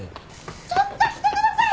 ちょっと来てください！